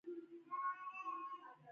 ژوندي صدقه کوي